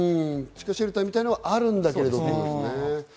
地下シェルターみたいなのはあるみたいなんだけど。